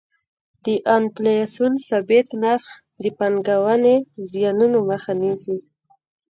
د انفلاسیون ثابت نرخ د پانګونې زیانونو مخه نیسي.